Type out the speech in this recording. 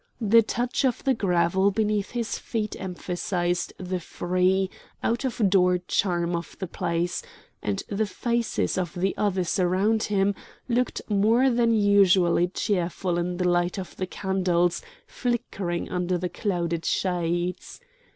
The touch of the gravel beneath his feet emphasized the free, out of door charm of the place, and the faces of the others around him looked more than usually cheerful in the light of the candles flickering under the clouded shades.